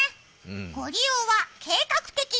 ご利用は計画的に。